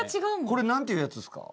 これなんていうやつですか？